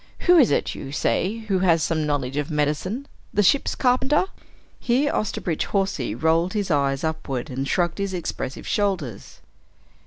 Who is it, you say, who has some knowledge of medicine the ship's carpenter?" Here Osterbridge Hawsey rolled his eyes upward and shrugged his expressive shoulders.